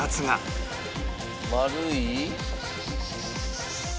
丸い。